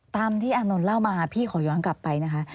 ตามที่อานนท์เล่ามาพี่ขอย้อนกลับไปนะคะ